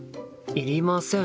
いりません。